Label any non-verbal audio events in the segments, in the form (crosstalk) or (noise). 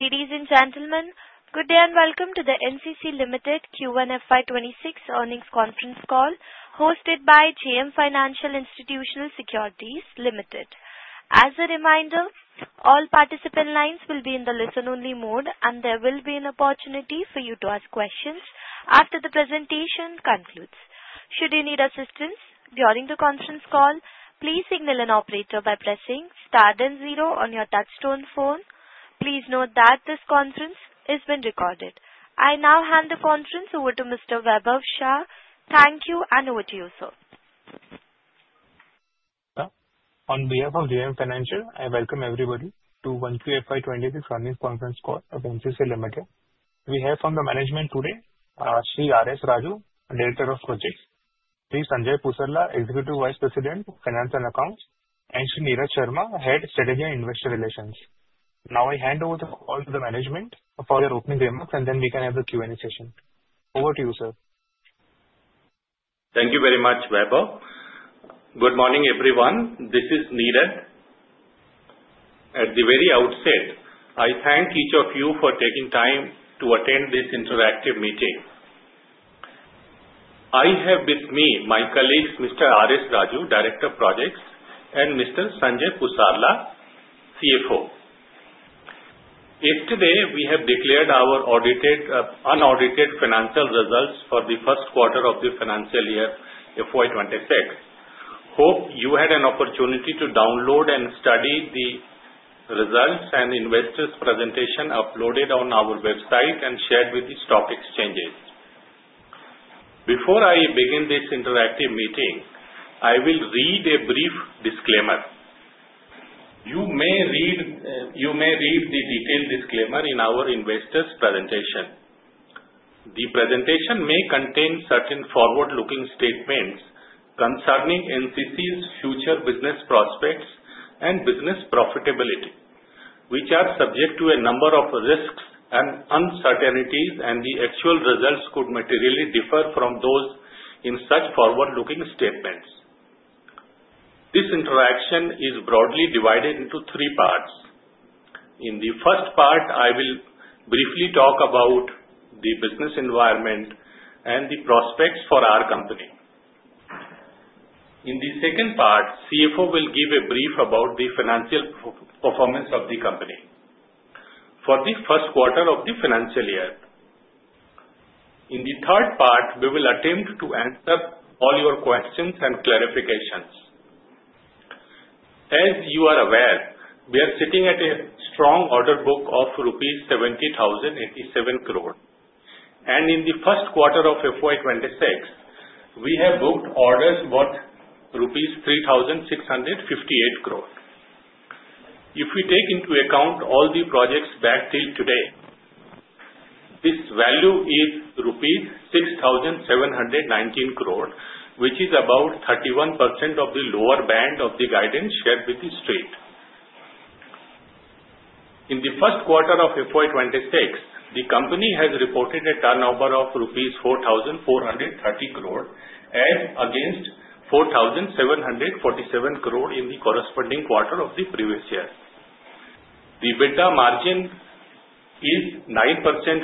Ladies and gentlemen, good day and welcome to the NCC Limited Q1 FY26 Earnings Conference Call hosted by JM Financial Institutional Securities Limited. As a reminder, all participant lines will be in the listen-only mode, and there will be an opportunity for you to ask questions after the presentation concludes. Should you need assistance during the conference call, please signal an operator by pressing star then zero on your touch-tone phone. Please note that this conference is being recorded. I now hand the conference over to Mr. Vaibhav Shah. Thank you, and over to you, sir. On behalf of JM Financial, I welcome everybody to the Q1 FY26 Earnings Conference Call of NCC Limited. We have on the management today, Sri RS Raju, Director of Projects, Sri Sanjay Pusarla, Executive Vice President, Finance and Accounts, and Sri Neerad Sharma, Head of Strategy and Investor Relations. Now, I hand over the call to the management for their opening remarks, and then we can have the Q&A session. Over to you, sir. Thank you very much, Vaibhav. Good morning, everyone. This is Neeraj. At the very outset, I thank each of you for taking time to attend this interactive meeting. I have with me my colleagues, Mr. RS Raju, Director of Projects, and Mr. Sanjay Pusarla, CFO. Yesterday, we have declared our unaudited financial results for the first quarter of the financial year, FY26. Hope you had an opportunity to download and study the results and investors' presentation uploaded on our website and shared with the stock exchanges. Before I begin this interactive meeting, I will read a brief disclaimer. You may read the detailed disclaimer in our investors' presentation. The presentation may contain certain forward-looking statements concerning NCC's future business prospects and business profitability, which are subject to a number of risks and uncertainties, and the actual results could materially differ from those in such forward-looking statements. This interaction is broadly divided into three parts. In the first part, I will briefly talk about the business environment and the prospects for our company. In the second part, CFO will give a brief about the financial performance of the company for the first quarter of the financial year. In the third part, we will attempt to answer all your questions and clarifications. As you are aware, we are sitting at a strong order book of rupees 70,087 crore, and in the first quarter of FY26, we have booked orders worth rupees 3,658 crore. If we take into account all the projects back till today, this value is rupees 6,719 crore, which is about 31% of the lower band of the guidance shared with the state. In the first quarter of FY26, the company has reported a turnover of rupees 4,430 crore as against 4,747 crore in the corresponding quarter of the previous year. The EBITDA margin is 9%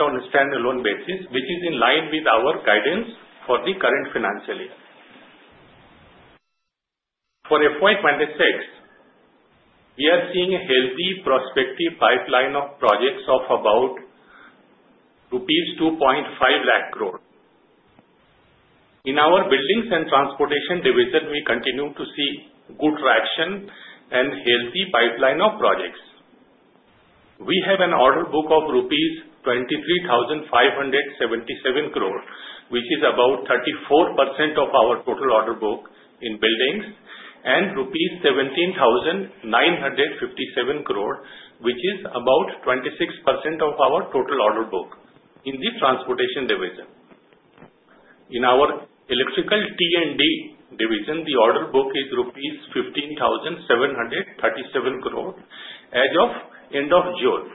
on a standalone basis, which is in line with our guidance for the current financial year. For FY26, we are seeing a healthy prospective pipeline of projects of about rupees 2.5 lakh crore. In our buildings and transportation division, we continue to see good traction and a healthy pipeline of projects. We have an order book of INR 23,577 crore, which is about 34% of our total order book in buildings, and rupees 17,957 crore, which is about 26% of our total order book in the transportation division. In our electrical T&D division, the order book is 15,737 crore rupees as of end of June,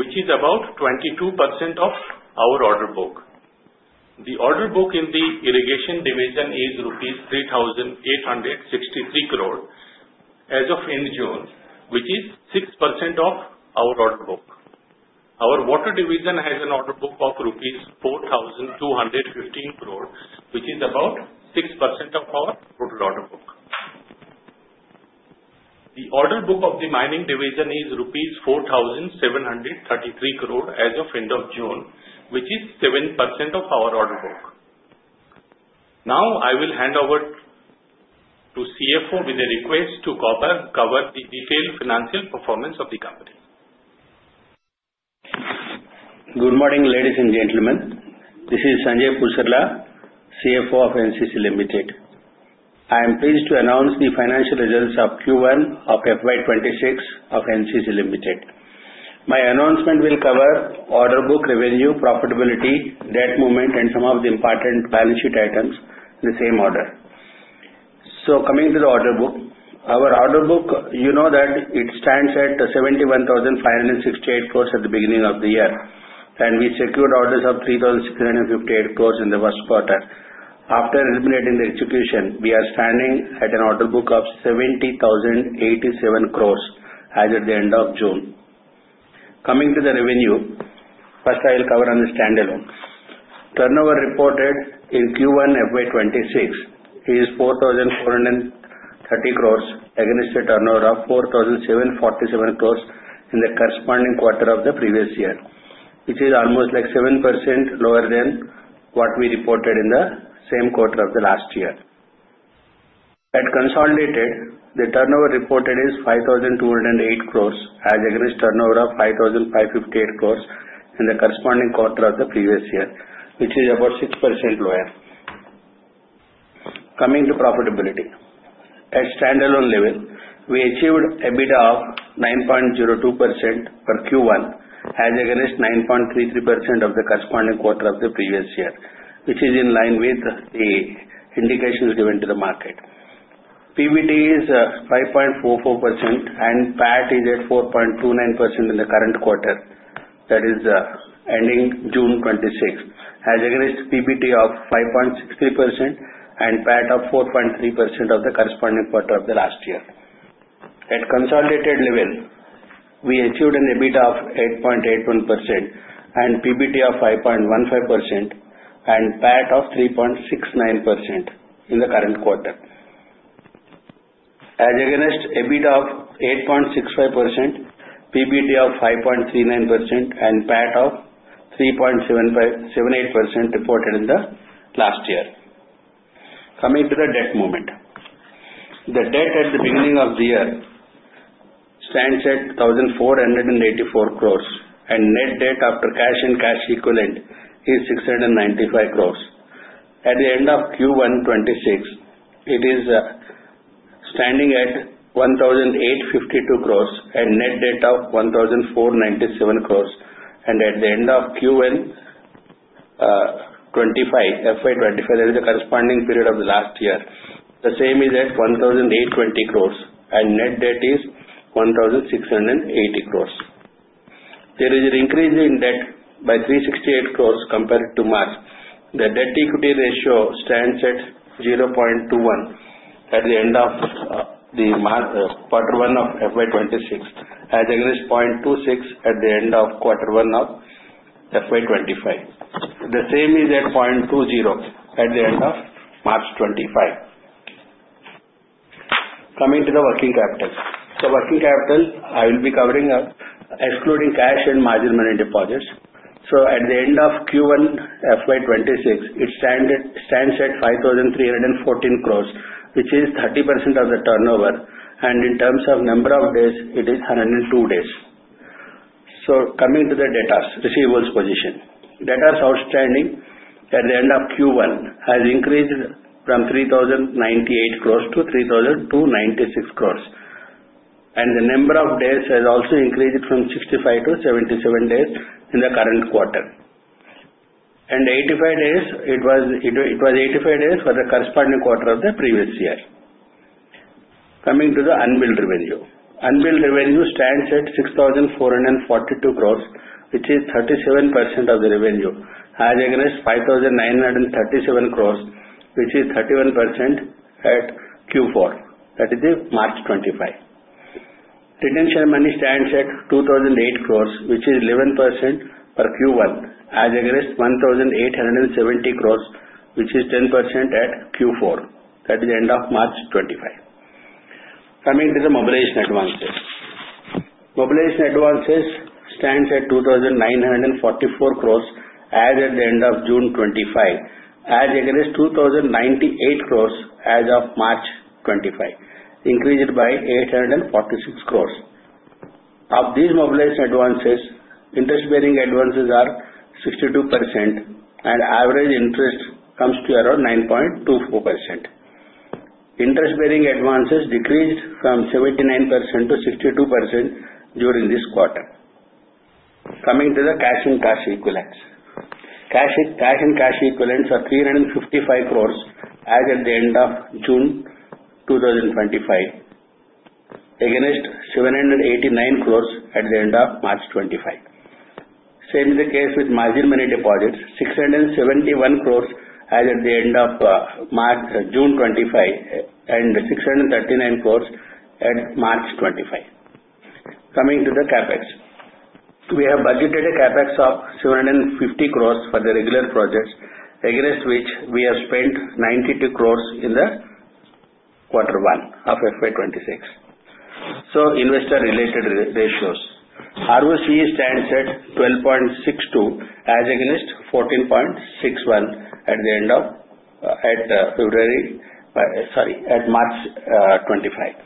which is about 22% of our order book. The order book in the irrigation division is ₹3,863 crore as of end June, which is 6% of our order book. Our water division has an order book of ₹4,215 crore, which is about 6% of our total order book. The order book of the mining division is ₹4,733 crore as of end of June, which is 7% of our order book. Now, I will hand over to CFO with a request to cover the detailed financial performance of the company. Good morning, ladies and gentlemen. This is Sanjay Pusarla, CFO of NCC Limited. I am pleased to announce the financial results of Q1 of FY26 of NCC Limited. My announcement will cover order book revenue, profitability, debt movement, and some of the important balance sheet items in the same order. So, coming to the order book, our order book, you know that it stands at 71,568 crore at the beginning of the year, and we secured orders of 3,658 crore in the first quarter. After eliminating the execution, we are standing at an order book of 70,087 crore as at the end of June. Coming to the revenue, first, I will cover on the standalone. Turnover reported in Q1 FY26 is 4,430 crore against a turnover of 4,747 crore in the corresponding quarter of the previous year, which is almost like 7% lower than what we reported in the same quarter of the last year. At consolidated, the turnover reported is 5,208 crore as against turnover of 5,558 crore in the corresponding quarter of the previous year, which is about 6% lower. Coming to profitability, at standalone level, we achieved an EBITDA of 9.02% per Q1 as against 9.33% of the corresponding quarter of the previous year, which is in line with the indications given to the market. PBT is 5.44%, and PAT is at 4.29% in the current quarter that is ending June 26 as against PBT of 5.63% and PAT of 4.3% of the corresponding quarter of the last year. At consolidated level, we achieved an EBITDA of 8.81% and PBT of 5.15% and PAT of 3.69% in the current quarter as against EBITDA of 8.65%, PBT of 5.39%, and PAT of 3.78% reported in the last year. Coming to the debt movement, the debt at the beginning of the year stands at 1,484 crore, and net debt after cash and cash equivalent is 695 crore. At the end of Q1 26, it is standing at 1,852 crore and net debt of 1,497 crore. At the end of Q1 25, FY25, that is the corresponding period of the last year, the same is at 1,820 crore, and net debt is 1,680 crore. There is an increase in debt by 368 crore compared to March. The debt to equity ratio stands at 0.21 at the end of the quarter one of FY26 as against 0.26 at the end of quarter one of FY25. The same is at 0.20 at the end of March 2025. Coming to the working capital. So, working capital, I will be covering excluding cash and margin money deposits. So, at the end of Q1 FY26, it stands at 5,314 crore, which is 30% of the turnover. And in terms of number of days, it is 102 days. So, coming to the debtors' receivables position, debtors outstanding at the end of Q1 has increased from 3,098 crore to 3,096 crore. And the number of days has also increased from 65 to 77 days in the current quarter. And 85 days, it was 85 days for the corresponding quarter of the previous year. Coming to the unbilled revenue, unbilled revenue stands at 6,442 crore, which is 37% of the revenue as against 5,937 crore, which is 31% at Q4. That is March 2025. Retention money stands at 2,008 crore, which is 11% per Q1 as against 1,870 crore, which is 10% at Q4. That is end of March 2025. Coming to the mobilization advances, mobilization advances stands at 2,944 crore as at the end of June 2025 as against 2,098 crore as of March 2025, increased by 846 crore. Of these mobilization advances, interest-bearing advances are 62%, and average interest comes to around 9.24%. Interest-bearing advances decreased from 79% to 62% during this quarter. Coming to the cash and cash equivalents, cash and cash equivalents are 355 crore as at the end of June 2025 against 789 crore at the end of March 2025. Same is the case with margin money deposits, 671 crore as at the end of June 25 and 639 crore at March 25. Coming to the CapEx, we have budgeted a CapEx of 750 crore for the regular projects against which we have spent 92 crore in the quarter one of FY26. So, investor-related ratios, ROC stands at 12.62 as against 14.61 at the end of February sorry, at March 25.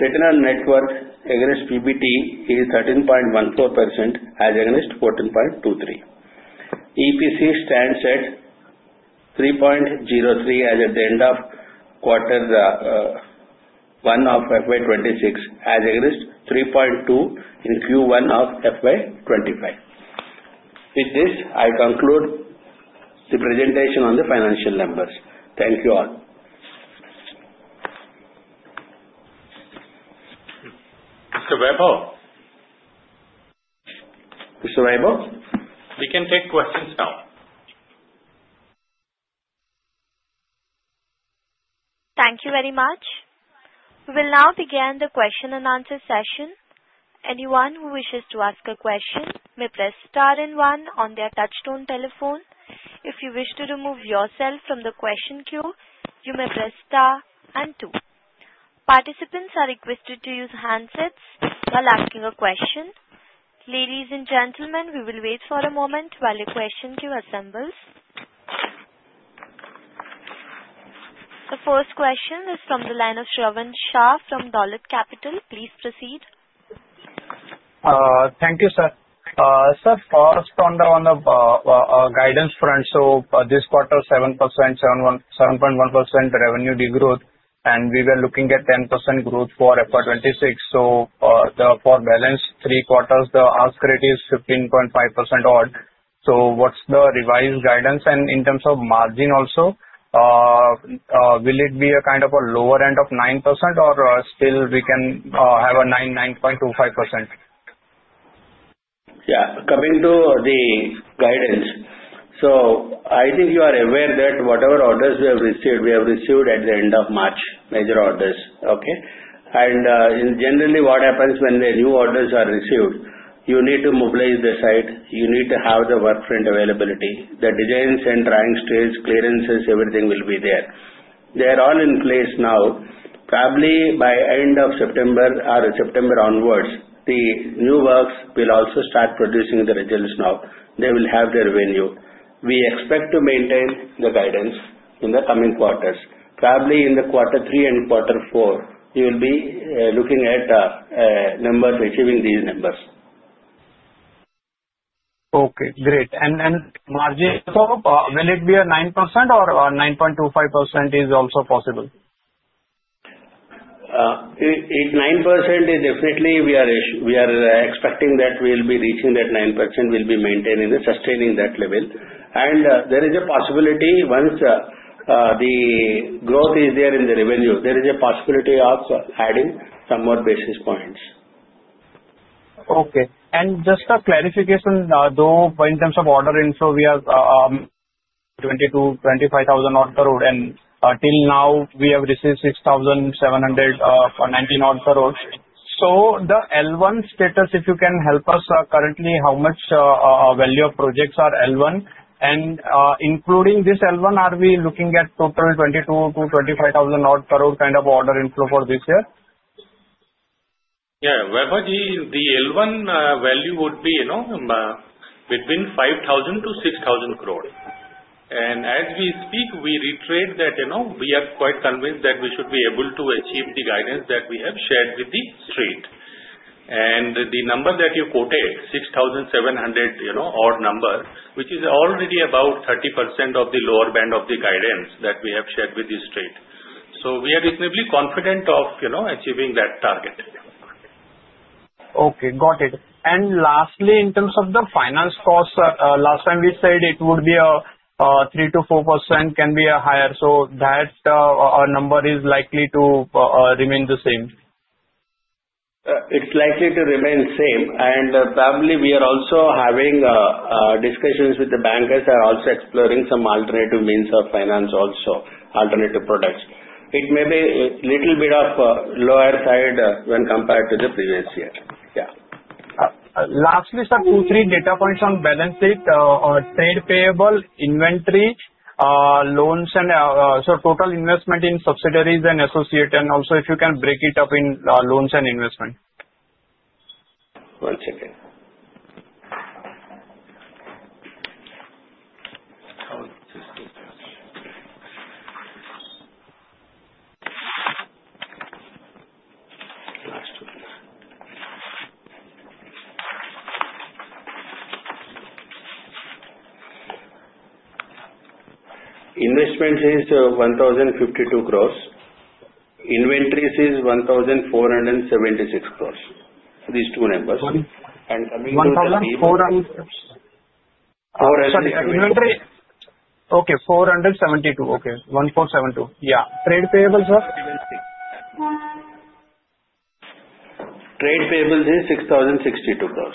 Return on net worth against PBT is 13.14% as against 14.23%. EPS stands at 3.03 as at the end of quarter one of FY26 as against 3.2 in Q1 of FY25. With this, I conclude the presentation on the financial numbers. Thank you all. Mr. Vaibhav. Mr. Vaibhav? We can take questions now. Thank you very much. We will now begin the question and answer session. Anyone who wishes to ask a question may press star and one on their touch-tone telephone. If you wish to remove yourself from the question queue, you may press star and two. Participants are requested to use handsets while asking a question. Ladies and gentlemen, we will wait for a moment while the question queue assembles. The first question is from the line of Shravan Shah from Dolat Capital. Please proceed. Thank you, sir. Sir, first on the guidance front, so this quarter, 7.1% revenue degrowth, and we were looking at 10% growth for FY26. So, for balance three quarters, the ask rate is 15.5% odd. So, what's the revised guidance? And in terms of margin also, will it be a kind of a lower end of 9%, or still we can have a 9.25%? Yeah. Coming to the guidance, so I think you are aware that whatever orders we have received, we have received at the end of March, major orders. Okay? And generally, what happens when the new orders are received, you need to mobilize the site. You need to have the workfront availability. The designs and drawing stages, clearances, everything will be there. They are all in place now. Probably by end of September or September onwards, the new works will also start producing the results now. They will have their revenue. We expect to maintain the guidance in the coming quarters. Probably in the quarter three and quarter four, you will be looking at numbers, achieving these numbers. Okay. Great. And margin, will it be a 9% or 9.25%? Is also possible? It's 9%. Definitely, we are expecting that we will be reaching that 9%, will be maintaining and sustaining that level, and there is a possibility once the growth is there in the revenue, there is a possibility of adding some more basis points. Okay. And just a clarification, though, in terms of order inflow, we have 22,000-25,000 odd crore, and till now, we have received 6,719 odd crore. So, the L1 status, if you can help us currently, how much value of projects are L1? And including this L1, are we looking at total 22,000-25,000 odd crore kind of order inflow for this year? Yeah. Vaibhavji, the L1 value would be between 5,000-6,000 crore. And as we speak, we reiterate that we are quite convinced that we should be able to achieve the guidance that we have shared with the state. And the number that you quoted, 6,700-odd number, which is already about 30% of the lower band of the guidance that we have shared with the state. So, we are reasonably confident of achieving that target. Okay. Got it. And lastly, in terms of the finance costs, sir, last time we said it would be a 3%-4%, can be higher. So, that number is likely to remain the same? It's likely to remain same, and probably we are also having discussions with the bankers that are also exploring some alternative means of finance also, alternative products. It may be a little bit of lower side when compared to the previous year. Yeah. Lastly, sir, two, three data points on balance sheet, trade payable, inventory, loans, and so total investment in subsidiaries and associates. And also, if you can break it up in loans and investment. One second. Investment is 1,052 crore. Inventories is 1,476 crore. These two numbers and coming to the. 1,400. Sorry. Okay. 472. Okay. 1,472. Yeah. Trade payables, sir? Trade payables is INR 6,062 crore.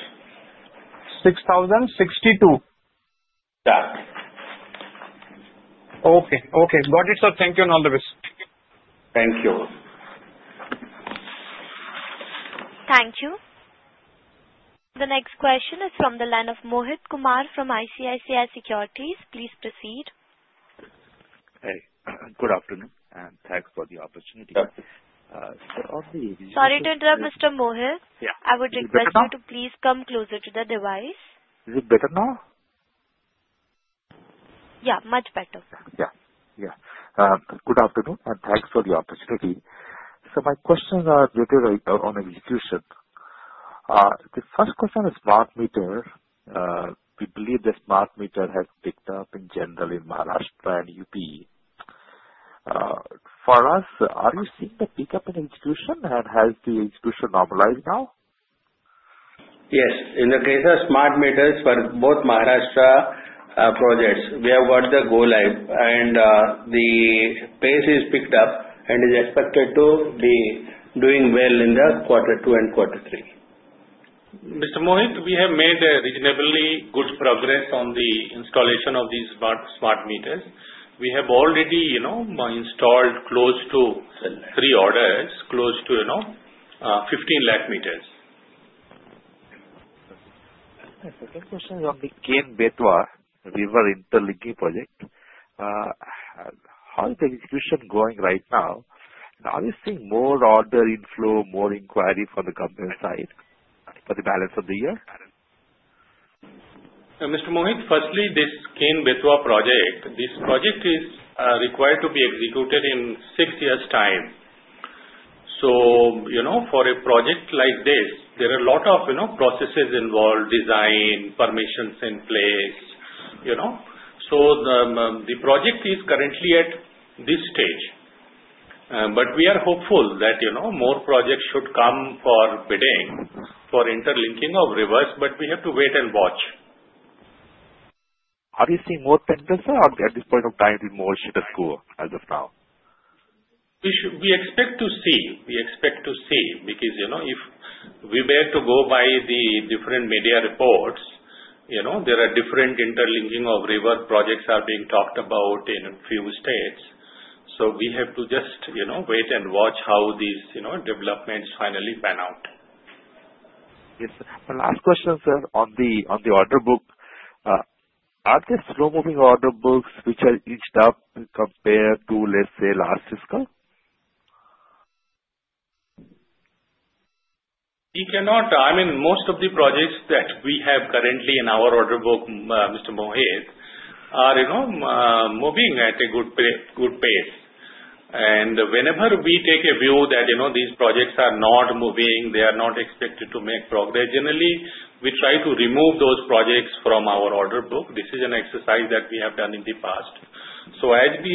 6,062. Yeah. Okay. Okay. Got it, sir. Thank you and all the best. Thank you. Thank you. The next question is from the line of Mohit Kumar from ICICI Securities. Please proceed. Hey. Good afternoon, and thanks for the opportunity. Sorry to interrupt, Mr. Mohit. Yeah. I would request you to please come closer to the device. Is it better now? Yeah. Much better. Yeah. Good afternoon, and thanks for the opportunity. So, my questions are related on execution. The first question is smart meters. We believe the smart meter has picked up in general in Maharashtra and UP. For us, are you seeing the pickup in execution, and has the execution normalized now? Yes. In the case of smart meters for both Maharashtra projects, we have got the go-live, and the pace is picked up, and it's expected to be doing well in quarter two and quarter three. Mr. Mohit, we have made a reasonably good progress on the installation of these smart meters. We have already installed close to three orders, close to 15 lakh meters. My second question is on the Ken-Betwa River interlinking project. How is the execution going right now? Are we seeing more order inflow, more inquiry from the government side for the balance of the year? Mr. Mohit, firstly, this Ken-Betwa project, this project is required to be executed in six years' time. So, for a project like this, there are a lot of processes involved, design, permissions in place. So, the project is currently at this stage. But we are hopeful that more projects should come for bidding for interlinking of rivers, but we have to wait and watch. Are we seeing more tenders, sir, at this point of time in Maharashtra school as of now? We expect to see because if we were to go by the different media reports, there are different inter-linking of river projects are being talked about in a few states. So, we have to just wait and watch how these developments finally pan out. Yes. My last question, sir, on the order book. Are there slow-moving order books which are aged up compared to, let's say, last fiscal? I mean, most of the projects that we have currently in our order book, Mr. Mohit, are moving at a good pace, and whenever we take a view that these projects are not moving, they are not expected to make progress, generally, we try to remove those projects from our order book. This is an exercise that we have done in the past, so as we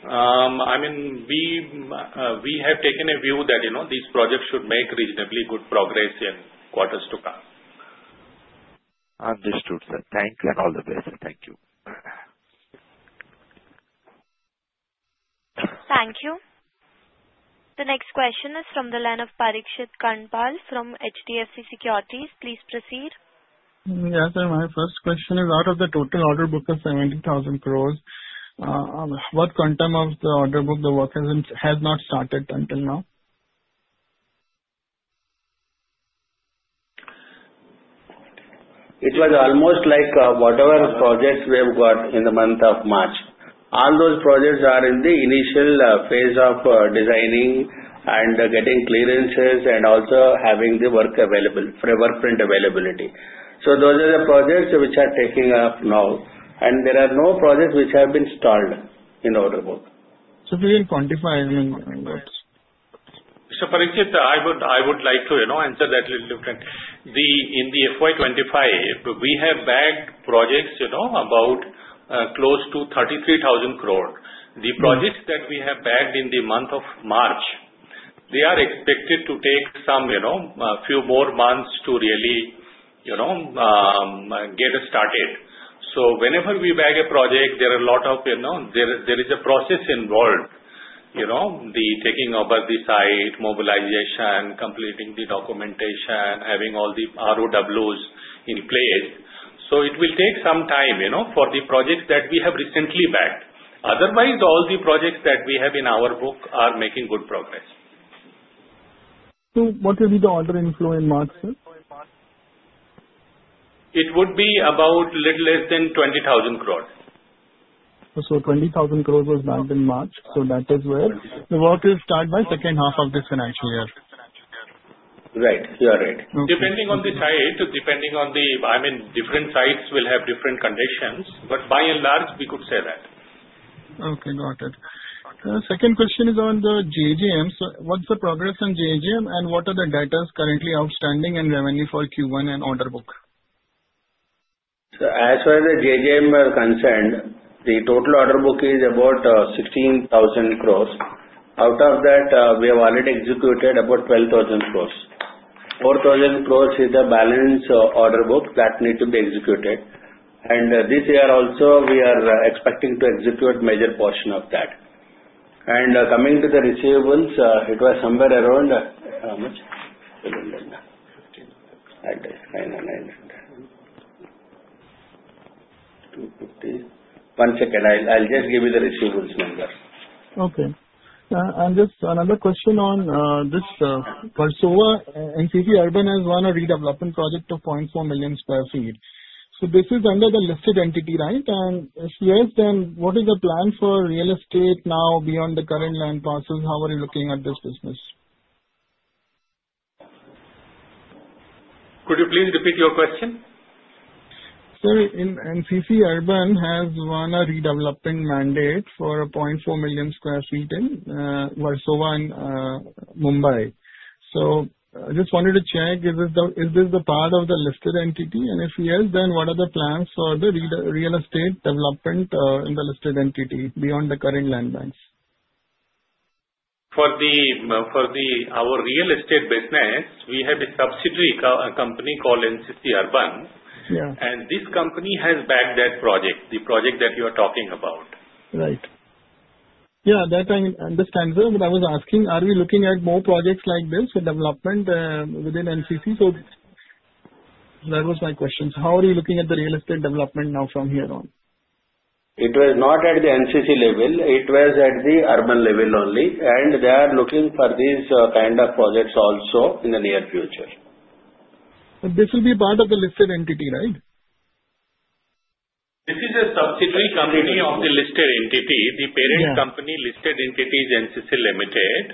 speak, I mean, we have taken a view that these projects should make reasonably good progress in quarters to come. Understood, sir. Thank you and all the best. Thank you. Thank you. The next question is from the line of Parikshit Kandpal from HDFC Securities. Please proceed. Yes, sir. My first question is, out of the total order book of 70,000 crores, what quantum of the order book the work has not started until now? It was almost like whatever projects we have got in the month of March. All those projects are in the initial phase of designing and getting clearances and also having the work available for workfront availability, so those are the projects which are taking up now, and there are no projects which have been stalled in order book. So, if you can quantify, I mean. Parikshit, I would like to answer that a little different. In the FY25, we have bagged projects about close to 33,000 crore. The projects that we have bagged in the month of March, they are expected to take a few more months to really get started. Whenever we bag a project, there is a process involved, the taking over the site, mobilization, completing the documentation, having all the ROWs in place. It will take some time for the projects that we have recently bagged. Otherwise, all the projects that we have in our book are making good progress. So, what will be the order inflow in March, sir? It would be about a little less than 20,000 crore. 20,000 crore was bagged in March. That is where the work will start by second half of this financial year. Right. You are right. Depending on the site, depending on the I mean, different sites will have different conditions. But by and large, we could say that. Okay. Got it. Second question is on the JJMs. So, what's the progress on JJM, and what are the dues currently outstanding in revenue for Q1 and order book? As far as the JJM are concerned, the total order book is about 16,000 crores. Out of that, we have already executed about 12,000 crores. 4,000 crores is the balance order book that need to be executed. And this year, also, we are expecting to execute a major portion of that. And coming to the receivables, it was somewhere around how much? One second. I'll just give you the receivables numbers. Okay. And just another question on this Versova NCC Urban has won a redevelopment project of 0.4 million sq ft. So, this is under the listed entity, right? And if yes, then what is the plan for real estate now beyond the current land passes? How are you looking at this business? Could you please repeat your question? Sir, NCC Urban has won a redevelopment mandate for 0.4 million sq ft in Versova and Mumbai. So, I just wanted to check, is this the part of the listed entity? And if yes, then what are the plans for the real estate development in the listed entity beyond the current land banks? For our real estate business, we have a subsidiary company called NCC Urban, and this company has bagged that project, the project that you are talking about. Right. Yeah. That I understand, sir. But I was asking, are we looking at more projects like this development within NCC? So, that was my question. So, how are you looking at the real estate development now from here on? It was not at the NCC level. It was at the NCC Urban level only, and they are looking for these kind of projects also in the near future. But this will be part of the listed entity, right? This is a subsidiary company of the listed entity, the parent company, listed entities NCC Limited.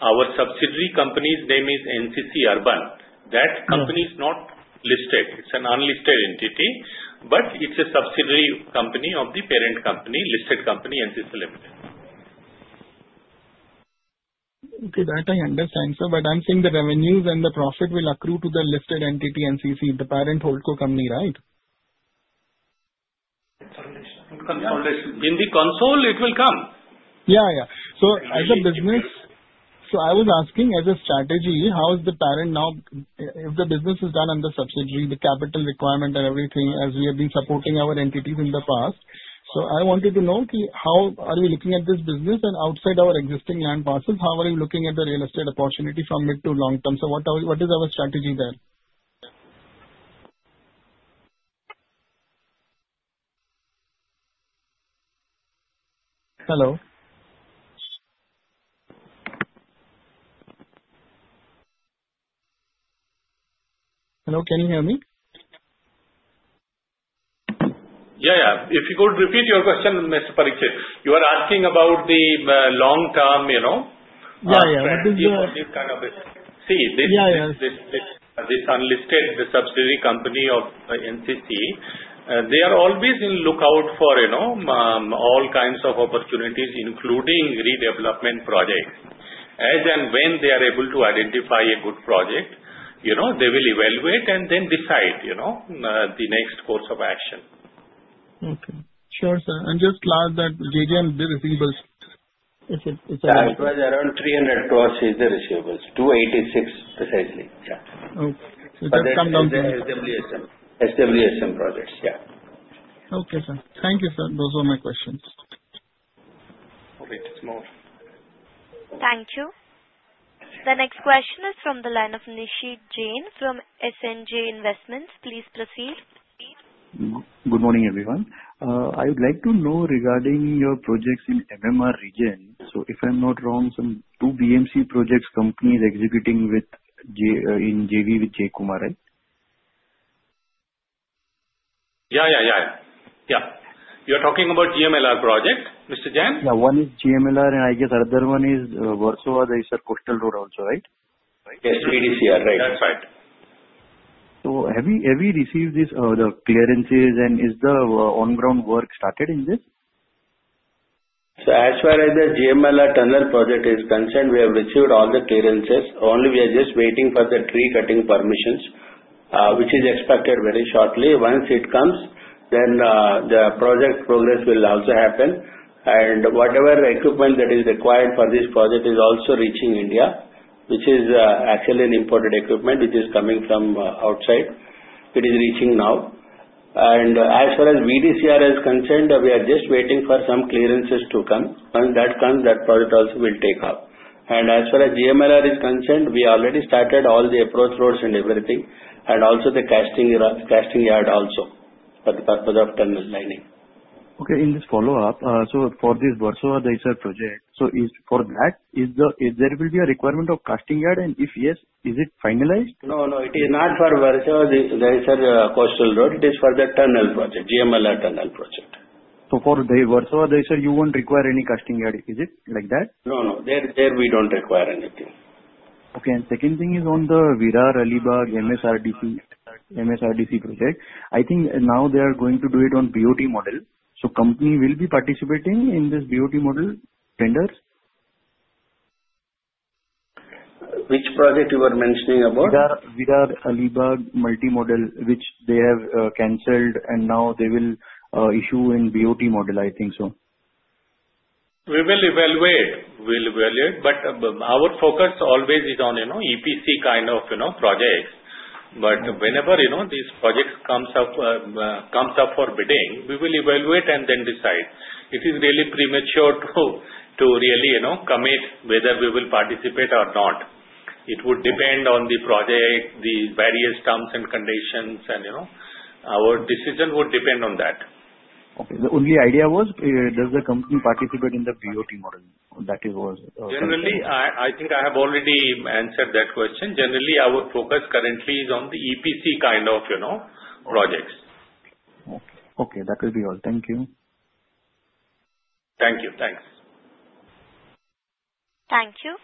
Our subsidiary company's name is NCC Urban. That company is not listed. It's an unlisted entity. But it's a subsidiary company of the parent company, listed company NCC Limited. Okay. That I understand, sir. But I'm seeing the revenues and the profit will accrue to the listed entity NCC, the parent holdco company, right? In the consol, it will come. Yeah. Yeah. So, as a business, so I was asking, as a strategy, how is the parent now if the business is done under subsidiary, the capital requirement and everything, as we have been supporting our entities in the past. So, I wanted to know, how are you looking at this business? And outside our existing land parcels, how are you looking at the real estate opportunity from mid to long term? So, what is our strategy there? Hello? Hello. Can you hear me? Yeah. Yeah. If you could repeat your question, Mr. Parikshit. You are asking about the long-term opportunity for this kind of see, this unlisted subsidiary company of NCC. They are always in lookout for all kinds of opportunities, including redevelopment projects. As and when they are able to identify a good project, they will evaluate and then decide the next course of action. Okay. Sure, sir. And just last, that JJM, the receivables. Yeah. It was around 300 crores is the receivables. 286, precisely. Yeah. Okay. So, that comes down to. SWSM. SWSM projects. Yeah. Okay, sir. Thank you, sir. Those were my questions. All right. No more. Thank you. The next question is from the line of Nishit Jain, from S&G Investments. Please proceed. Good morning, everyone. I would like to know regarding your projects in MMR region. So, if I'm not wrong, some two BMC projects companies executing in JV with J. Kumar, right? You are talking about GMLR project, Mr. Jain? Yeah. One is GMLR, and I guess another one is Versova-Dahisar Coastal Road also, right? (crosstalk) Yes. VDCR. Right. That's right. So, have we received the clearances, and is the on-ground work started in this? As far as the GMLR tunnel project is concerned, we have received all the clearances. Only, we are just waiting for the tree-cutting permissions, which is expected very shortly. Once it comes, then the project progress will also happen. And whatever equipment that is required for this project is also reaching India, which is actually an imported equipment, which is coming from outside. It is reaching now. And as far as VDCR is concerned, we are just waiting for some clearances to come. Once that comes, that project also will take off. And as far as GMLR is concerned, we already started all the approach roads and everything, and also the casting yard also for the purpose of tunnel lining. Okay. In this follow-up, so for this Versova Dahisar project, so for that, there will be a requirement of casting yard? And if yes, is it finalized? No. No. It is not for Versova-Dahisar Coastal Road. It is for the tunnel project, GMLR tunnel project. So, for the Versova Dahisar, you won't require any casting yard, is it like that? No. No. There, we don't require anything. Okay, and second thing is on the Virar-Alibag MSRDC project. I think now they are going to do it on BOT model, so company will be participating in this BOT model tenders? Which project you were mentioning about? Virar-Alibag multi-modal, which they have canceled, and now they will issue in BOT model, I think so. We will evaluate. We'll evaluate. But our focus always is on EPC kind of projects. But whenever these projects come up for bidding, we will evaluate and then decide. It is really premature to really commit whether we will participate or not. It would depend on the project, the various terms and conditions, and our decision would depend on that. Okay. The only idea was, does the company participate in the BOT model? That is what was. Generally, I think I have already answered that question. Generally, our focus currently is on the EPC kind of projects. Okay. That will be all. Thank you. Thank you. Thanks. Thank you.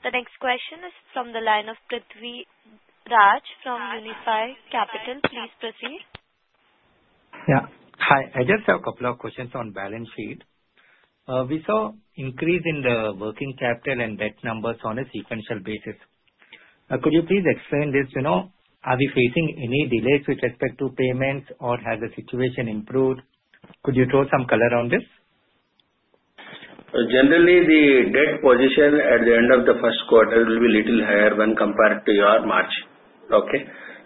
The next question is from the line of Prithvi Raj from Unifi Capital. Please proceed. Yeah. Hi. I just have a couple of questions on balance sheet. We saw an increase in the working capital and debt numbers on a sequential basis. Could you please explain this? Are we facing any delays with respect to payments, or has the situation improved? Could you throw some color on this? Generally, the debt position at the end of the first quarter will be a little higher when compared to your March. Okay?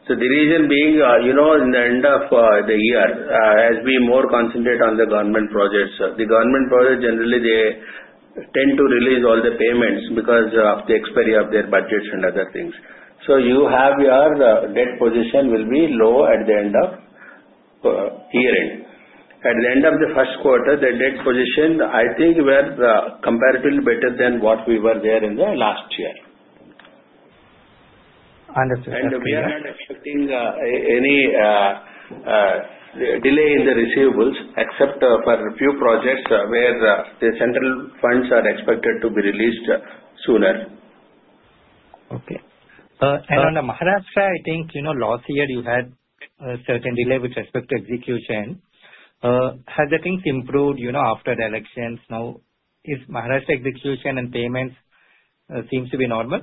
So, the reason being, in the end of the year, as we more concentrate on the government projects, the government projects, generally, they tend to release all the payments because of the expiry of their budgets and other things. So, you have your debt position will be low at the end of year-end. At the end of the first quarter, the debt position, I think, were comparatively better than what we were there in the last year. Understood. We are not expecting any delay in the receivables, except for a few projects where the central funds are expected to be released sooner. Okay. And on the Maharashtra, I think last year, you had a certain delay with respect to execution. Has the things improved after the elections? Now, is Maharashtra execution and payments seems to be normal?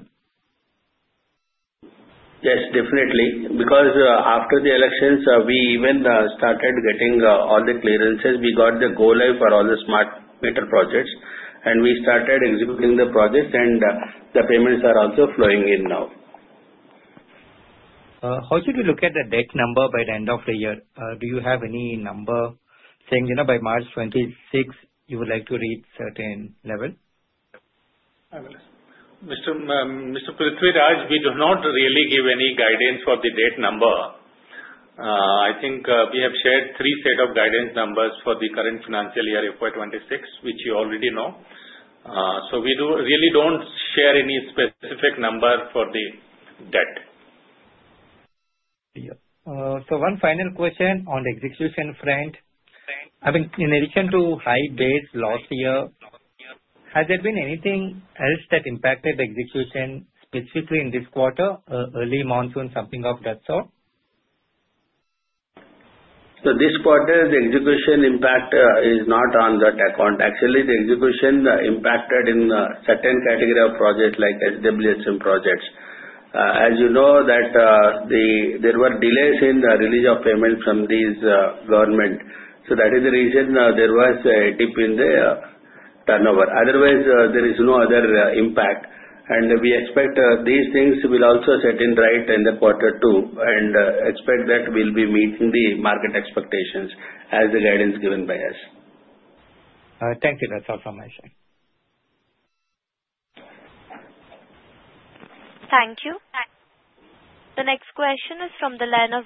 Yes. Definitely. Because after the elections, we even started getting all the clearances. We got the go-live for all the smart meter projects, and we started executing the projects, and the payments are also flowing in now. How should we look at the debt number by the end of the year? Do you have any number saying by March 2026, you would like to reach certain level? Mr. Prithvi Raj, we do not really give any guidance for the debt number. I think we have shared three sets of guidance numbers for the current financial year, FY26, which you already know. So, we really don't share any specific number for the debt. Yeah. So, one final question on the execution front. I mean, in addition to high bids last year, has there been anything else that impacted the execution, specifically in this quarter, early monsoon, something of that sort? This quarter, the execution impact is not on that account. Actually, the execution impacted in certain category of projects like SWSM projects. As you know, there were delays in the release of payment from this government. So, that is the reason there was a dip in the turnover. Otherwise, there is no other impact. We expect these things will also set in right in the quarter too. Expect that we'll be meeting the market expectations as the guidance given by us. Thank you. That's all from my side. Thank you. The next question is from the line of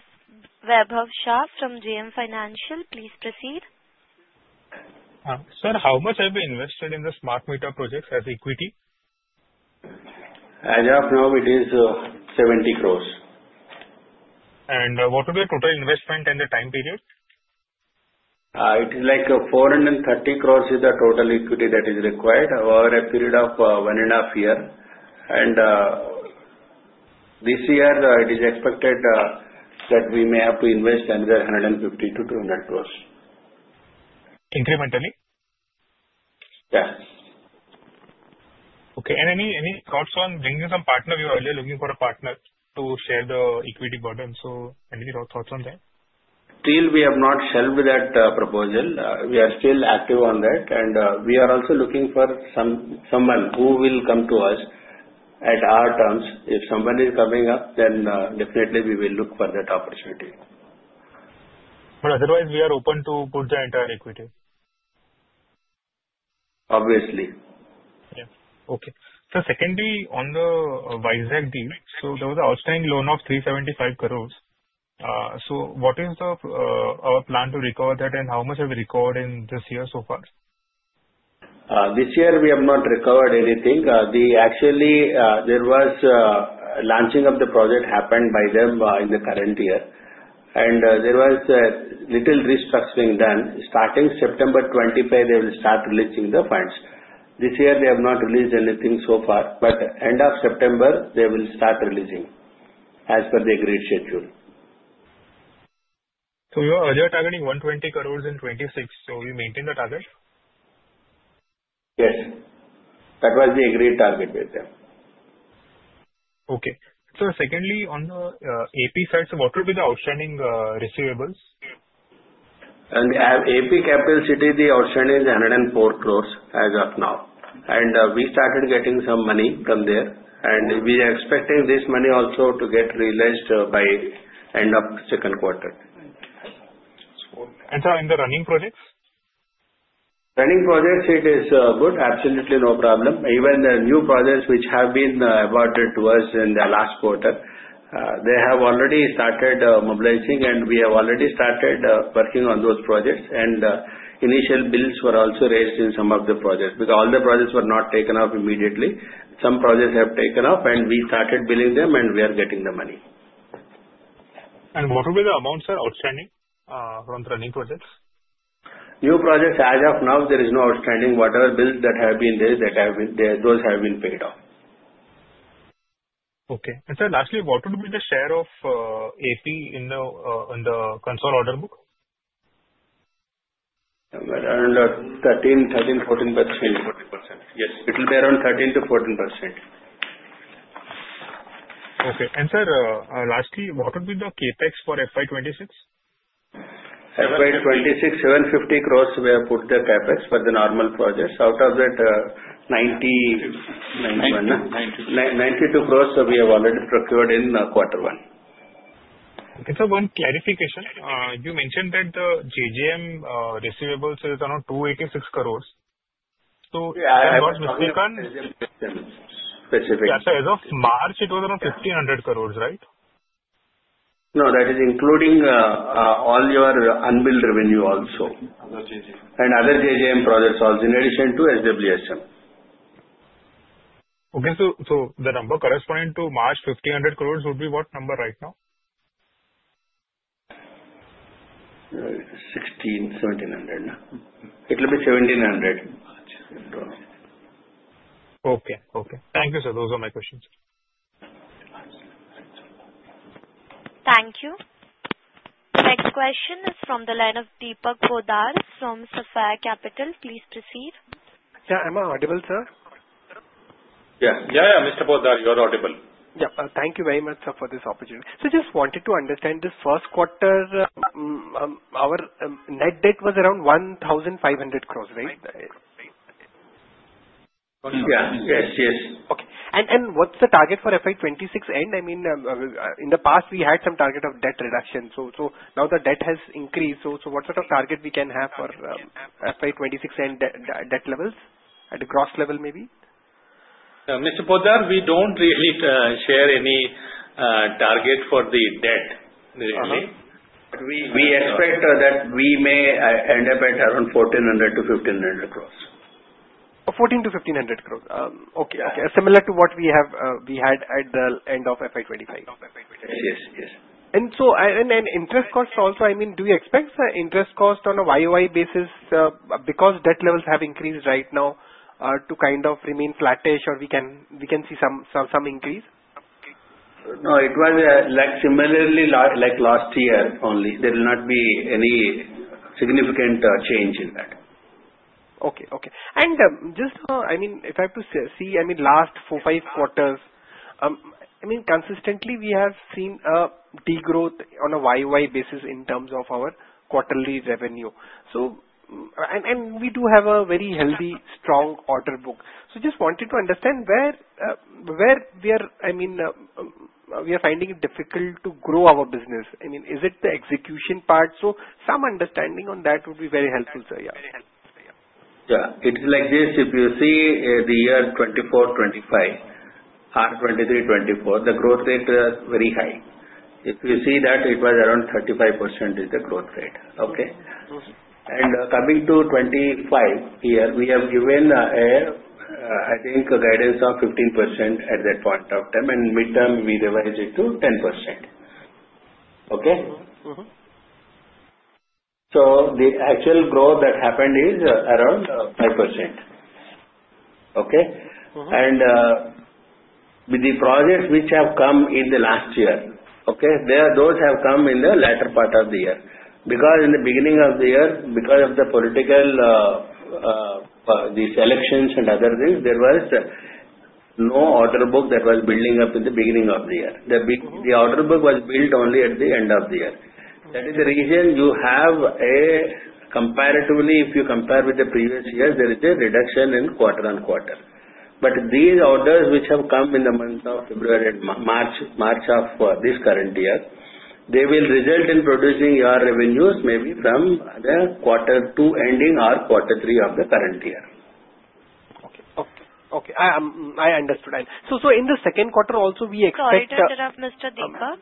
Vaibhav Shah from JM Financial. Please proceed. Sir, how much have you invested in the smart meter projects as equity? As of now, it is 70 crores. What would be the total investment and the time period? It is like 430 crore is the total equity that is required over a period of one and a half years, and this year, it is expected that we may have to invest another 150-200 crore. Incrementally? Yeah. Okay, and any thoughts on bringing some partner? We were earlier looking for a partner to share the equity burden, so any thoughts on that? Still, we have not shelved that proposal. We are still active on that. And we are also looking for someone who will come to us at our terms. If somebody is coming up, then definitely, we will look for that opportunity. But otherwise, we are open to put the entire equity. Obviously. Yeah. Okay. Sir, secondly, on the Vizag deal, so there was an outstanding loan of 375 crores. So, what is our plan to recover that, and how much have you recovered in this year so far? This year, we have not recovered anything. Actually, there was launching of the project happened by them in the current year. There was little restructure being done. Starting September 25, they will start releasing the funds. This year, they have not released anything so far. End of September, they will start releasing as per the agreed schedule. You are targeting 120 crores in 2026. Will you maintain the target? Yes. That was the agreed target with them. Okay. Sir, secondly, on the AP side, so what would be the outstanding receivables? On the AP capital city, the outstanding is 104 crores as of now, and we started getting some money from there, and we are expecting this money also to get realized by end of second quarter. Sir, in the running projects? Running projects, it is good. Absolutely no problem. Even the new projects which have been awarded to us in the last quarter, they have already started mobilizing, and we have already started working on those projects. And initial bills were also raised in some of the projects. Because all the projects were not taken off immediately. Some projects have taken off, and we started billing them, and we are getting the money. What would be the amounts, sir, outstanding from the running projects? New projects, as of now, there is no outstanding. Whatever bills that have been there, those have been paid off. Okay, and sir, lastly, what would be the share of AP in the consolidated order book? Around 13%-14%. Yes. It will be around 13% to 14%. Okay, and sir, lastly, what would be the CapEx for FY26? FY26, 750 crores we have put the CapEx for the normal projects. Out of that, 92 crores we have already procured in quarter one. Okay. Sir, one clarification. You mentioned that the GMLR receivables is around 286 crores. So, I got misspoken. Specifically. As of March, it was around 1,500 crores, right? No. That is including all your unbilled revenue also, and other JJM projects also in addition to SWSM. Okay. So, the number corresponding to March, 1,500 crores would be what number right now? 16,1700. It will be 1700. Okay. Okay. Thank you, sir. Those are my questions. Thank you. Next question is from the line of Deepak Poddar from Sapphire Capital. Please proceed. Yeah. I'm audible, sir? Yeah. Yeah. Yeah. Mr. Poddar, you are audible. Yeah. Thank you very much, sir, for this opportunity. Sir, just wanted to understand this first quarter, our net debt was around 1,500 crores, right? Yeah. Yes. Yes. Okay. What is the target for FY26 end? I mean, in the past, we had some target of debt reduction. So, now the debt has increased. So, what sort of target we can have for FY26 end debt levels at the gross level maybe? Mr. Poddar, we don't really share any target for the debt, really. We expect that we may end up at around 1,400 to 1,500 crores. 14 to 1,500 crores. Okay. Similar to what we had at the end of FY25. Yes. Yes. Interest cost also, I mean, do you expect the interest cost on a YoY basis because debt levels have increased right now to kind of remain flattish or we can see some increase? No. It was similarly like last year only. There will not be any significant change in that. Okay. Okay. And just, I mean, if I have to see, I mean, last four, five quarters, I mean, consistently, we have seen a degrowth on a YOI basis in terms of our quarterly revenue. So, and we do have a very healthy, strong order book. So, just wanted to understand where we are. I mean, we are finding it difficult to grow our business. I mean, is it the execution part? So, some understanding on that would be very helpful, sir. Yeah. Yeah. It is like this. If you see the year 24, 25, FY23, 24, the growth rate was very high. If you see that, it was around 35% is the growth rate. Okay? And coming to 25 year, we have given, I think, a guidance of 15% at that point of time. And mid-term, we revised it to 10%. Okay? So, the actual growth that happened is around 5%. Okay? And with the projects which have come in the last year, okay, those have come in the latter part of the year. Because in the beginning of the year, because of the political, these elections and other things, there was no order book that was building up in the beginning of the year. The order book was built only at the end of the year. That is the reason you have a comparatively, if you compare with the previous years, there is a reduction in quarter on quarter. But these orders which have come in the month of February and March of this current year, they will result in producing your revenues maybe from the quarter two ending or quarter three of the current year. Okay. I understood. So, in the second quarter also, we expect. One more question of Mr. Deepak.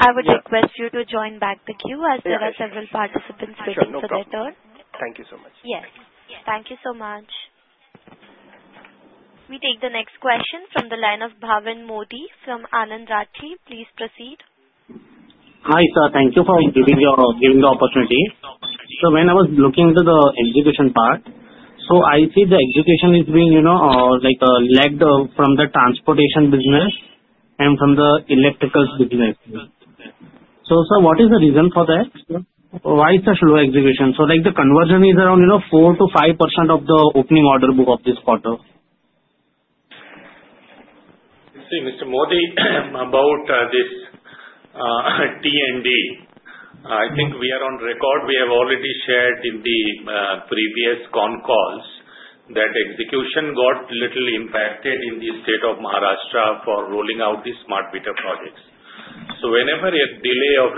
I would request you to join back the queue as there are several participants waiting for their turn. Thank you so much. Yes. Thank you so much. We take the next question from the line of Bhavin Modi from Anand Rathi. Please proceed. Hi, sir. Thank you for giving the opportunity. So, when I was looking into the execution part, so I see the execution is being lagged from the transportation business and from the electrical business. So, sir, what is the reason for that? Why is such low execution? So, the conversion is around 4%-5% of the opening order book of this quarter. See, Mr. Modi, about this T&D, I think we are on record. We have already shared in the previous con calls that execution got little impacted in the state of Maharashtra for rolling out these smart meter projects. So, whenever a delay of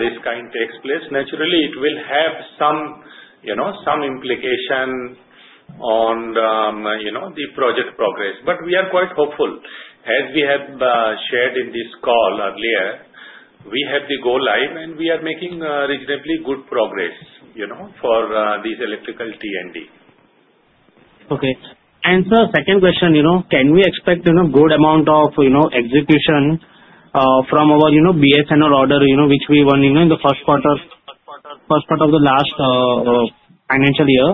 this kind takes place, naturally, it will have some implication on the project progress. But we are quite hopeful. As we have shared in this call earlier, we have the go-live and we are making reasonably good progress for this electrical T&D. Okay. And sir, second question, can we expect a good amount of execution from our BSNL order which we won in the first quarter? First quarter of the last financial year.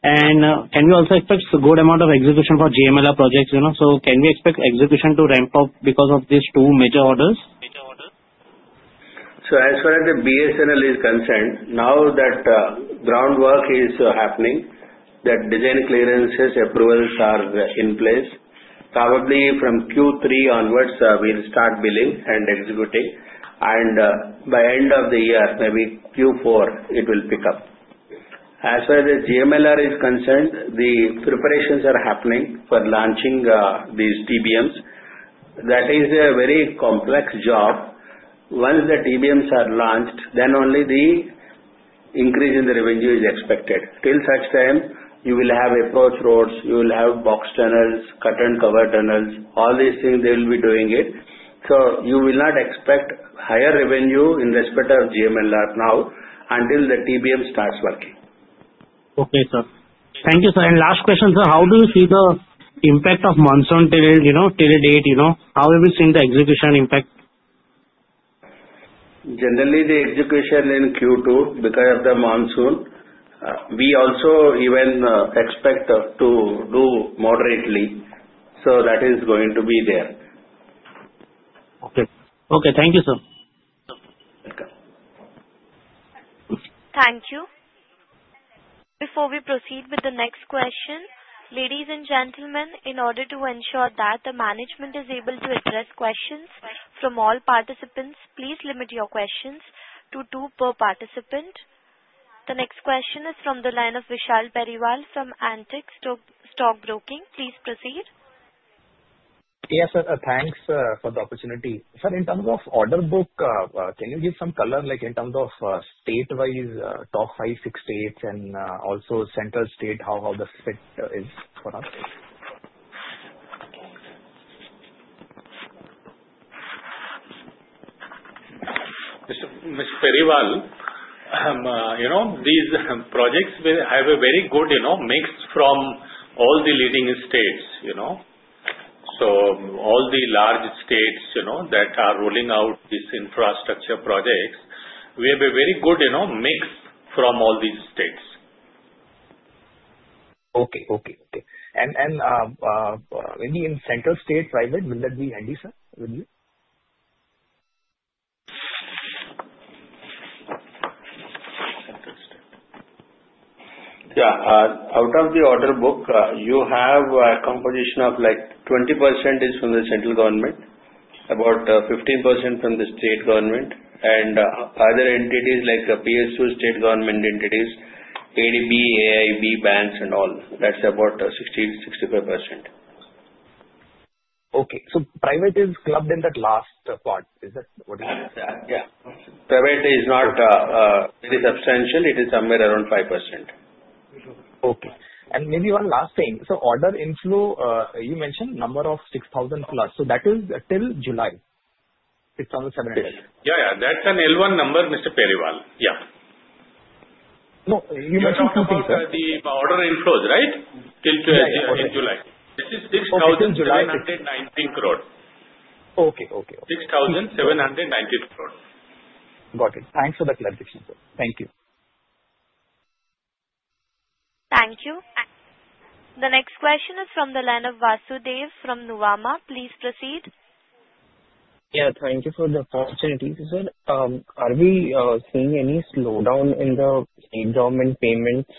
And can we also expect a good amount of execution for GMLR projects? So, can we expect execution to ramp up because of these two major orders? So, as far as the BSNL is concerned, now that groundwork is happening, that design clearances approvals are in place, probably from Q3 onwards, we'll start billing and executing. And by end of the year, maybe Q4, it will pick up. As far as the GMLR is concerned, the preparations are happening for launching these TBMs. That is a very complex job. Once the TBMs are launched, then only the increase in the revenue is expected. Till such time, you will have approach roads, you will have box tunnels, cut and cover tunnels. All these things, they will be doing it. So, you will not expect higher revenue in respect of GMLR now until the TBM starts working. Okay, sir. Thank you, sir. And last question, sir, how do you see the impact of monsoon till date, how have you seen the execution impact? Generally, the execution in Q2, because of the monsoon, we also even expect to do moderately. So, that is going to be there. Okay. Okay. Thank you, sir. Welcome. Thank you. Before we proceed with the next question, ladies and gentlemen, in order to ensure that the management is able to address questions from all participants, please limit your questions to two per participant. The next question is from the line of Vishal Periwal from Antique Stock Broking. Please proceed. Yes, sir. Thanks for the opportunity. Sir, in terms of order book, can you give some color in terms of state-wise, top five six states and also central state, how the fit is for us? Mr. Periwal, these projects have a very good mix from all the leading states, so all the large states that are rolling out these infrastructure projects, we have a very good mix from all these states. Okay. When we win central, state, private, will that be handy, sir, with you? Yeah. Out of the order book, you have a composition of like 20% is from the central government, about 15% from the state government, and other entities like PSU state government entities, ADB, AIIB, banks, and all. That's about 60%-65%. Okay. So, private is clubbed in that last part. Is that what it is? Yeah. Private is not very substantial. It is somewhere around 5%. Okay. And maybe one last thing. So, order inflow, you mentioned number of 6,000 plus. So, that is till July, 6,700. Yeah. Yeah. That's an L1 number, Mr. Periwal. Yeah. No, you mentioned two things, sir. The order inflows, right, till July. This is 6,719 crores. Okay. Okay. Okay. 6,719 crores. Got it. Thanks for the clarification, sir. Thank you. Thank you. The next question is from the line of Vasudev from Nuvama. Please proceed. Yeah. Thank you for the opportunity, sir. Are we seeing any slowdown in the state government payments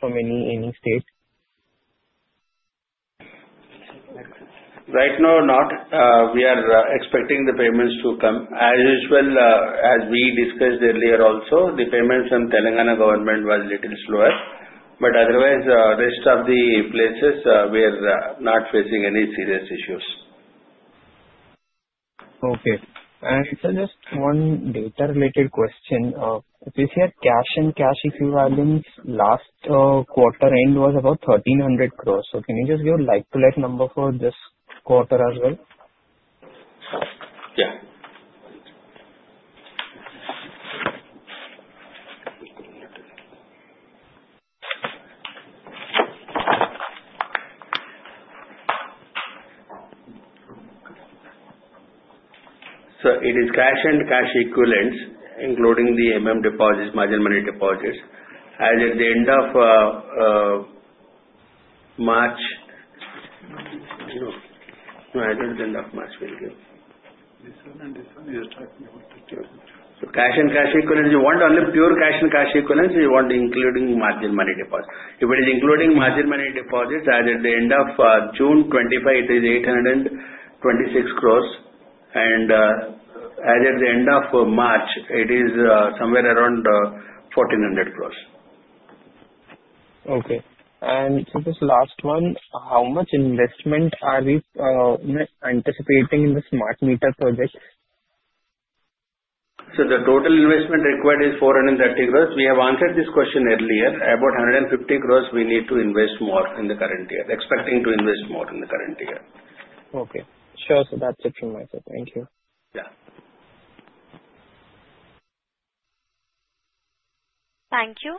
from any state? Right now, not. We are expecting the payments to come. As usual, as we discussed earlier also, the payments from Telangana government was a little slower. But otherwise, rest of the places we are not facing any serious issues. Okay. And sir, just one data-related question. We see at cash and cash equivalents, last quarter end was about 1,300 crores. So, can you just give a like-to-like number for this quarter as well? Yeah. Sir, it is cash and cash equivalents, including the deposits, margin money deposits. As at the end of March, no. No, as at the end of March, we'll give. This one and this one, you are talking about the cash equivalents. Cash and cash equivalents, you want only pure cash and cash equivalents, you want including margin money deposits. If it is including margin money deposits, as at the end of June 2025, it is 826 crores. As at the end of March, it is somewhere around 1,400 crores. Okay. And sir, this last one, how much investment are we anticipating in the smart meter project? Sir, the total investment required is 430 crores. We have answered this question earlier. About 150 crores, we need to invest more in the current year. Okay. Sure. So, that's it from my side. Thank you. Yeah. Thank you.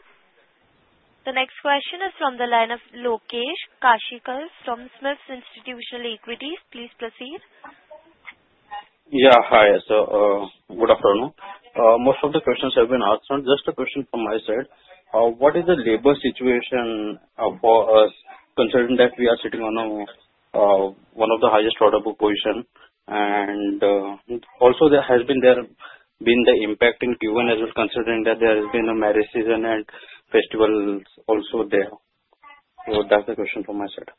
The next question is from the line of Lokesh Kashikar from SMIFS Institutional Equities. Please proceed. Yeah. Hi. So, good afternoon. Most of the questions have been answered. Just a question from my side. What is the labor situation for us considering that we are sitting on one of the highest order book positions? And also, there has been the impact in Q1 as well, considering that there has been a marriage season and festivals also there. So, that's the question from my side.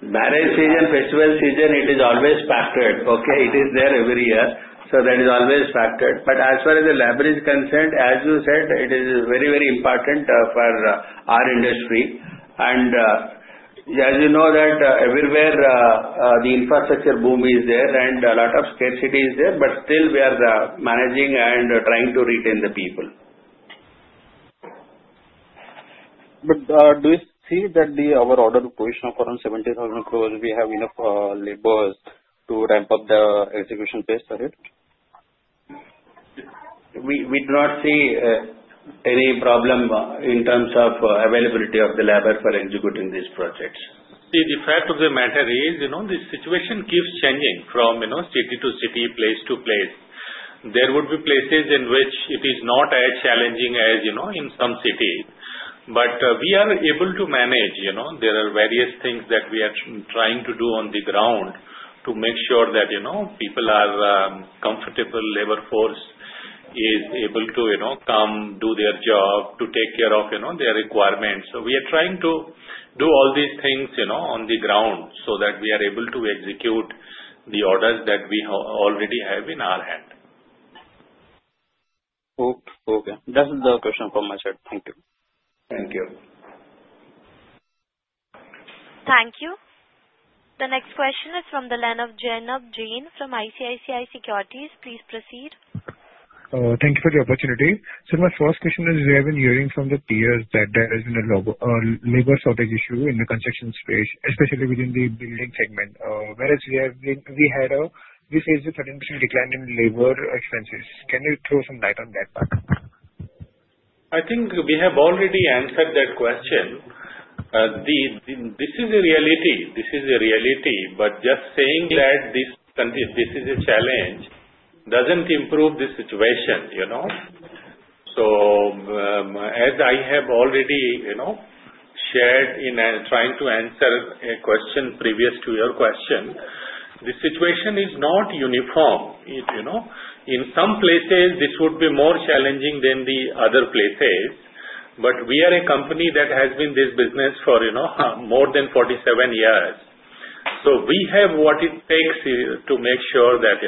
Marriage season and festival season, it is always factored. Okay? It is there every year. So, that is always factored. But as far as the leverage concerned, as you said, it is very, very important for our industry. And as you know, that everywhere, the infrastructure boom is there and a lot of scarcity is there. But still, we are managing and trying to retain the people. But do you see that our order book position of around 70,000 crores, we have enough laborers to ramp up the execution phase for it? We do not see any problem in terms of availability of the labor for executing these projects. The fact of the matter is the situation keeps changing from city to city, place to place. There would be places in which it is not as challenging as in some cities. But we are able to manage. There are various things that we are trying to do on the ground to make sure that people are comfortable, labor force is able to come, do their job, to take care of their requirements. So, we are trying to do all these things on the ground so that we are able to execute the orders that we already have in our hand. Okay. That's the question from my side. Thank you. Thank you. Thank you. The next question is from the line of Jainam Jain from ICICI Securities. Please proceed. Thank you for the opportunity. Sir, my first question is we have been hearing from the tiers that there has been a labor shortage issue in the construction space, especially within the building segment. Whereas we faced a 13% decline in labor expenses. Can you throw some light on that part? I think we have already answered that question. This is a reality. This is a reality. But just saying that this is a challenge doesn't improve the situation. So, as I have already shared in trying to answer a question previous to your question, the situation is not uniform. In some places, this would be more challenging than the other places. But we are a company that has been in this business for more than 47 years. So, we have what it takes to make sure that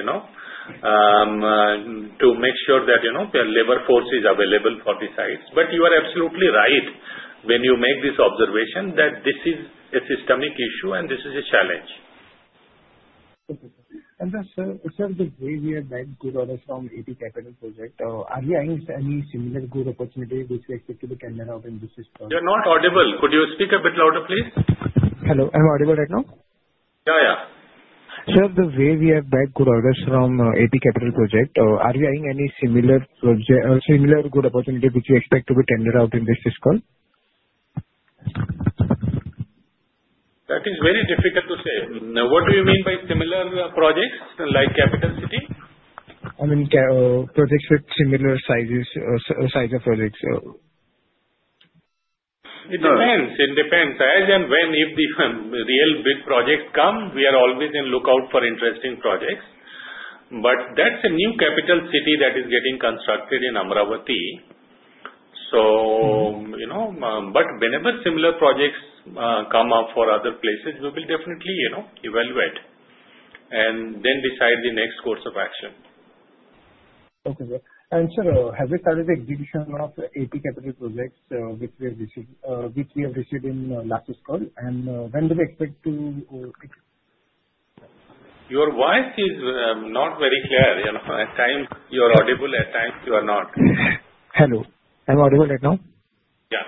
the labor force is available for these sites. But you are absolutely right when you make this observation that this is a systemic issue and this is a challenge. Okay. Sir, sir, the way we have bagged good orders from AP Capital Project, are we eyeing any similar good opportunity which we expect to look at in our business? You're not audible. Could you speak a bit louder, please? Hello. I'm audible right now? Yeah. Yeah. Sir, the way we have bagged good orders from AP Capital Project, are we eyeing any similar good opportunity which we expect to be tendered out in this call? That is very difficult to say. What do you mean by similar projects like capital city? I mean projects with similar sizes of projects. It depends. It depends. As and when if the real big projects come, we are always in lookout for interesting projects. But that's a new capital city that is getting constructed in Amaravati. So, but whenever similar projects come up for other places, we will definitely evaluate and then decide the next course of action. Okay. Sir, and sir, have we started the execution of AP Capital Projects which we have received in last call, and when do we expect to? Your voice is not very clear. At times you are audible, at times you are not. Hello. I'm audible right now? Yeah.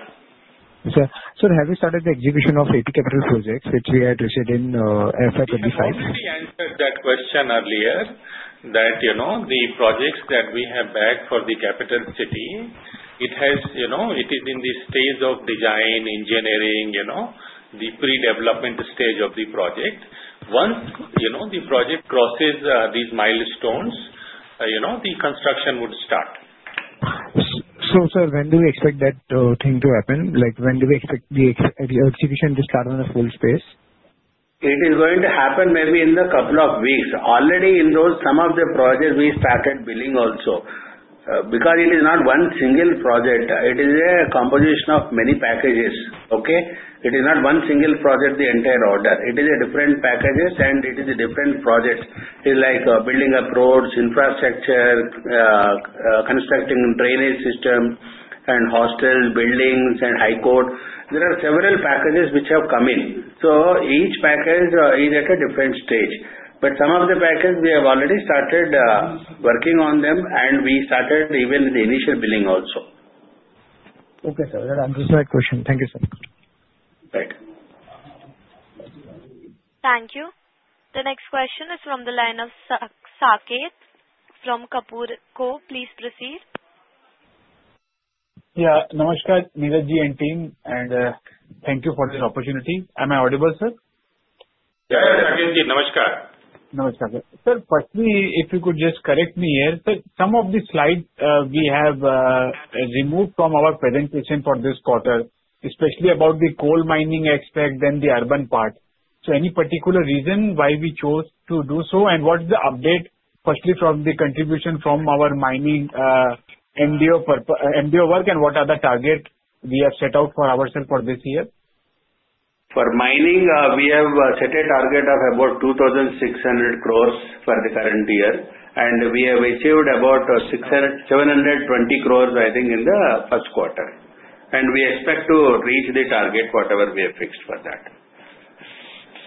Sir, sir, have we started the execution of AP Capital Projects which we had received in FY25? I already answered that question earlier, that the projects that we have bagged for the capital city, it is in the stage of design, engineering, the pre-development stage of the project. Once the project crosses these milestones, the construction would start. So, sir, when do we expect that thing to happen? When do we expect the execution to start on a full space? It is going to happen maybe in a couple of weeks. Already in some of the projects, we started billing also. Because it is not one single project. It is a composition of many packages. Okay? It is not one single project, the entire order. It is different packages and it is different projects. It is like building up roads, infrastructure, constructing drainage systems, and hostel buildings, and high court. There are several packages which have come in. So, each package is at a different stage. But some of the packages, we have already started working on them and we started even the initial billing also. Okay. Sir, that answers my question. Thank you, sir. Right. Thank you. The next question is from the line of Saket from Kapoor & Co. Please proceed. Yeah. Namaskar, Neeraj ji and team. And thank you for this opportunity. Am I audible, sir? Yeah. Yeah. Thank you, sir. Namaskar. Namaskar, sir. Sir, firstly, if you could just correct me here. Sir, some of the slides we have removed from our presentation for this quarter, especially about the coal mining aspect and the urban part. So, any particular reason why we chose to do so? And what is the update, firstly, from the contribution from our mining MDO work and what are the targets we have set out for ourselves for this year? For mining, we have set a target of about 2,600 crores for the current year. And we have achieved about 720 crores, I think, in the first quarter. And we expect to reach the target whatever we have fixed for that.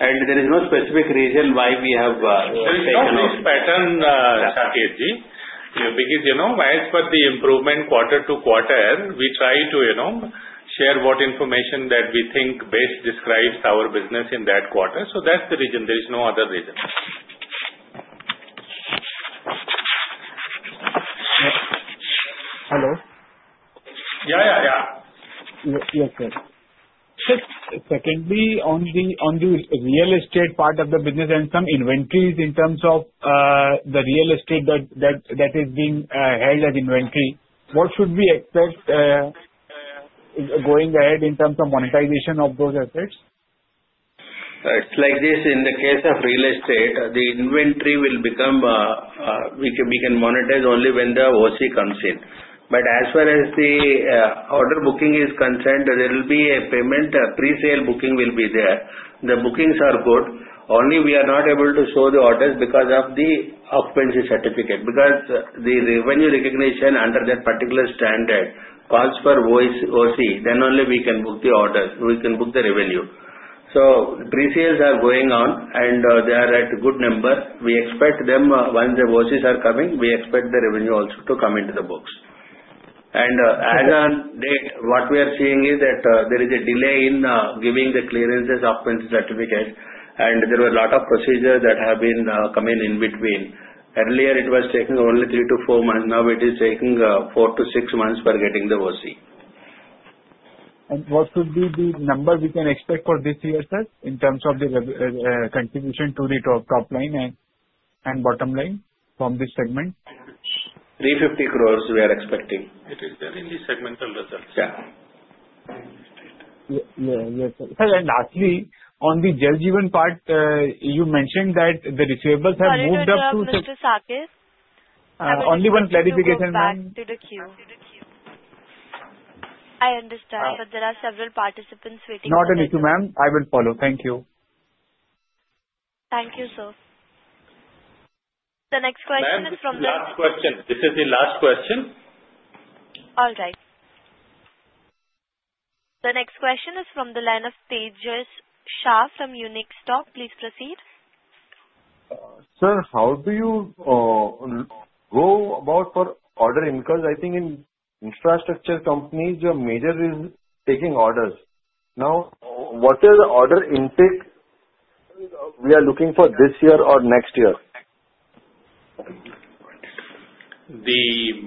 And there is no specific reason why we have taken off. It's a pattern, Saket ji. Because as per the improvement quarter to quarter, we try to share what information that we think best describes our business in that quarter. So, that's the reason. There is no other reason. Hello. Yeah. Yeah. Yeah. Yes, sir. Sir, secondly, on the real estate part of the business and some inventories in terms of the real estate that is being held as inventory, what should we expect going ahead in terms of monetization of those assets? It's like this. In the case of real estate, the inventory will become we can monetize only when the OC comes in, but as far as the order booking is concerned, there will be a payment, pre-sale booking will be there. The bookings are good. Only we are not able to show the orders because of the occupancy certificate because the revenue recognition under that particular standard calls for OC then only we can book the orders. We can book the revenue, so pre-sales are going on and they are at a good number. We expect them once the OCs are coming, we expect the revenue also to come into the books, and as of date, what we are seeing is that there is a delay in giving the clearances occupancy certificate, and there were a lot of procedures that have been coming in between. Earlier, it was taking only three to four months. Now, it is taking four to six months for getting the OC. What would be the number we can expect for this year, sir, in terms of the contribution to the top line and bottom line from this segment? 350 crores we are expecting. It is there in the segmental results. Yeah. Yeah. Yes, sir. Sir, and lastly, on the GMLR part, you mentioned that the receivables have moved up to. Yes, sir. Mr. Saket? Only one clarification, ma'am. Back to the queue. I understand. But there are several participants waiting. Not an issue, ma'am. I will follow. Thank you. Thank you, sir. The next question is from the. Last question. This is the last question. All right. The next question is from the line of Tejas Shah from Unique Stock. Please proceed. Sir, how do you go about for order inflows? I think in infrastructure companies, the major is taking orders. Now, what is the order intake we are looking for this year or next year? The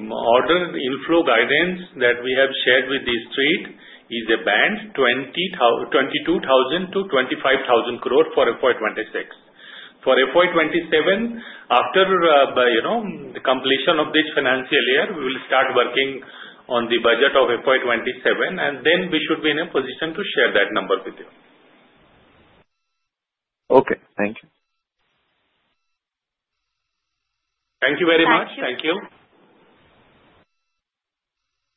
order inflow guidance that we have shared with the street is a band 22,000-25,000 crores for FY26. For FY27, after the completion of this financial year, we will start working on the budget of FY27. And then we should be in a position to share that number with you. Okay. Thank you. Thank you very much. Thank you.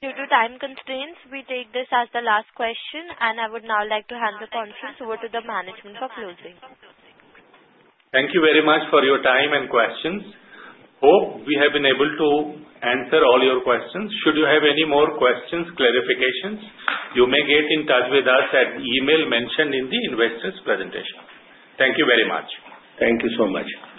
Due to time constraints, we take this as the last question. And I would now like to hand the conference over to the management for closing. Thank you very much for your time and questions. Hope we have been able to answer all your questions. Should you have any more questions, clarifications, you may get in touch with us at the email mentioned in the investors' presentation. Thank you very much. Thank you so much.